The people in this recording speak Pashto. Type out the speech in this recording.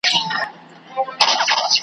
دواړي سترګي د غوايي دي ورتړلي .